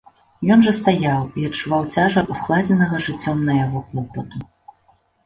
Ён жа стаяў і адчуваў цяжар ускладзенага жыццём на яго клопату.